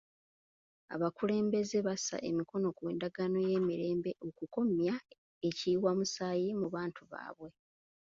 Abakulembeze bassa emikono ku ndagaano y'emirembe okukomya ekiyiwamusaayi mu bantu baabwe.